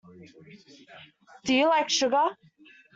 Do you like sugar?